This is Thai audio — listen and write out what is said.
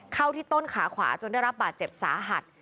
เข้าที่ต้นขาขวาจนได้รับบาดเจ็บสาหัส